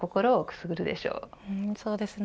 そうですね。